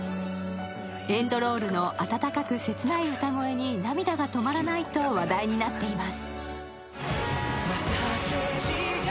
エンドロールの温かく切ない歌声に涙が止まらないと話題になっています。